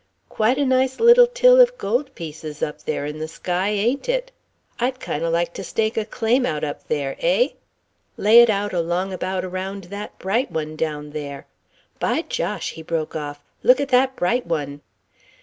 Quite a nice little till of gold pieces up there in the sky, ain't there? I'd kind o' like to stake a claim out up there eh? Lay it out along about around that bright one down there by Josh," he broke off, "look at that bright one."